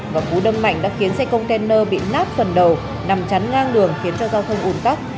và cú đâm mạnh đã khiến xe container bị nát phần đầu nằm chắn ngang đường khiến cho giao thông ủn tắc